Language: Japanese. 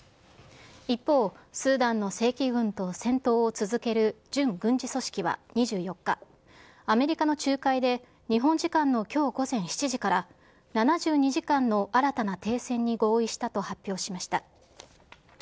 一方、スーダンの正規軍と戦闘を続ける準軍事組織は２４日、アメリカの仲介で日本時間のきょう午前７時から７２時間の新たな停戦に合意したと発表しました。